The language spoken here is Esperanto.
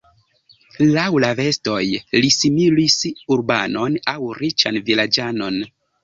Laŭ la vestoj, li similis urbanon aŭ riĉan vilaĝanon.